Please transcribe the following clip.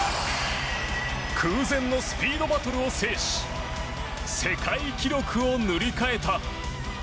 空前のスピードバトルを制し世界記録を塗り替えた。